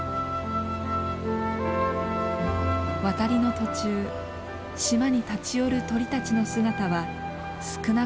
渡りの途中島に立ち寄る鳥たちの姿は少なくなってきました。